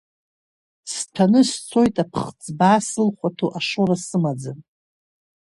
Сҭәаны сцоит, аԥхӡы баа сылхәаҭо, ашоура сымаӡам.